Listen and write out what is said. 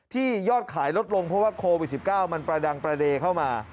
ยอดขายลดลงเพราะว่าโควิด๑๙มันประดังประเด็นเข้ามา